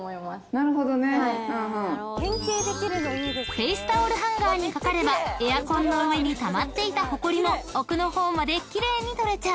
［フェースタオルハンガーにかかればエアコンの上にたまっていたほこりも奥の方まで奇麗に取れちゃう］